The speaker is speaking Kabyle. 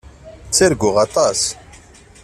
Ttarguɣ aṭas.